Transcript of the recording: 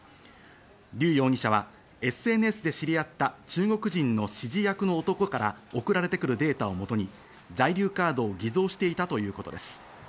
リュウ容疑者はＳＮＳで知り合った中国人の指示役の男から送られてくるデータをもとに在留カードを偽造していたということです。